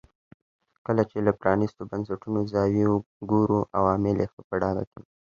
کله چې له پرانیستو بنسټونو زاویې ګورو عوامل یې ښه په ډاګه کېږي.